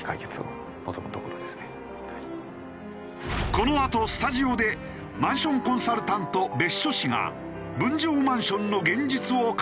このあとスタジオでマンションコンサルタント別所氏が分譲マンションの現実を語る。